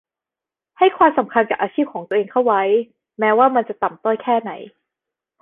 ให้ความสำคัญกับอาชีพของตัวเองเข้าไว้ แม้ว่ามันจะต่ำต้อยแค่ไหน